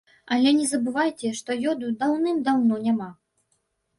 Але не забывайце, што ёду даўным-даўно няма.